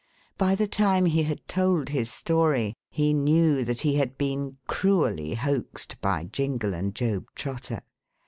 By the time he had told his story, he knew that he had been cruelly hoaxed by Jingle and Job Trotter.